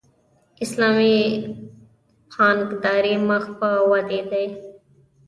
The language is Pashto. اسلامي بانکداري مخ په ودې ده